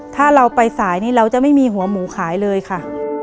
ถ้าเราไปสายนี้เราจะไม่มีหัวหมูขายเลยค่ะ